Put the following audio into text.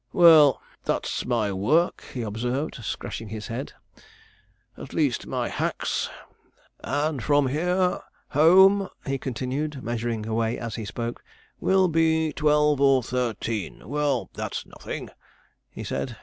Well, that's my work,' he observed, scratching his head, 'at least, my hack's; and from here, home,' he continued, measuring away as he spoke, 'will be twelve or thirteen. Well, that's nothing,' he said.